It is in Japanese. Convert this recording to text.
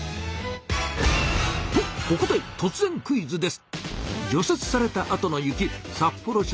とここでとつぜんクイズです！